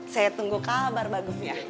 saya tunggu kabar bagusnya